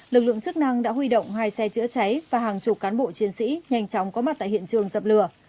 lực lượng chức năng đã huy động hai xe chữa cháy và hàng chục cán bộ chiến sĩ nhanh chóng có mặt tại hiện trường dập lửa